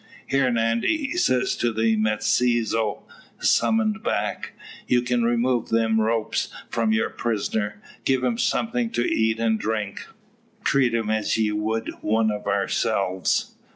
"Here, Nandy!" he says to the mestizo, summoned back. "You can remove them ropes from your prisoner. Give him somethin' to eat and drink. Treat him as ye would one o' ourselves.